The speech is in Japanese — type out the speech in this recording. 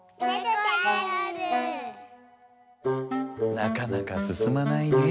なかなかすすまないねぇ。